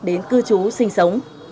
đến cư trú sinh sống